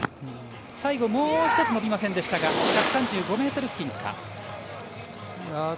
最後もう一つ伸びませんでしたが１３５ｍ付近か。